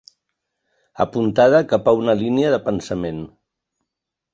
Apuntada cap a una línia de pensament.